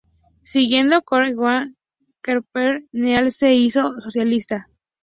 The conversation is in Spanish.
Siguiendo a Keir Hardie y Edward Carpenter, Neal se hizo socialista.